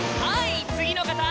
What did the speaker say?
はい次の方！